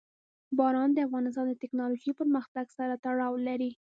باران د افغانستان د تکنالوژۍ پرمختګ سره تړاو لري.